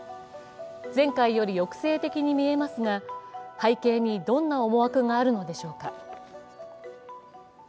前回より抑制的に見えますが、背景にどんな思惑があるのでしょうか。